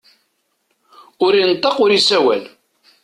Ur ineṭṭeq ur isawal.